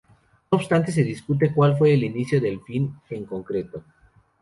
No obstante, se discute cual fue el inicio del fin en concreto.